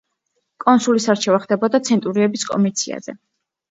კონსულის არჩევა ხდებოდა ცენტურიების კომიციაზე.